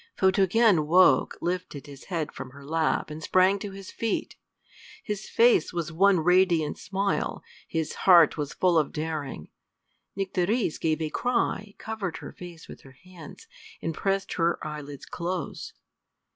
Photogen woke, lifted his head from her lap, and sprang to his feet. His face was one radiant smile. His heart was full of daring. Nycteris gave a cry, covered her face with her hands, and pressed her eyelids close.